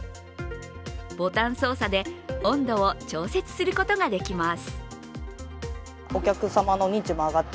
ボタン操作で温度を調節することができます。